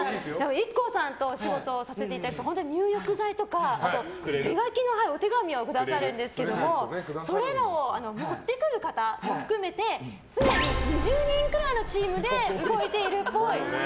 ＩＫＫＯさんとお仕事させていただくと本当に入浴剤とか手書きのお手紙をくださるんですけどそれらを持ってくる方を含めて常に２０人くらいのチームで動いているっぽい。